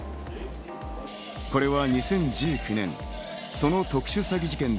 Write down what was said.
これは２０１９年、その特殊詐欺事件で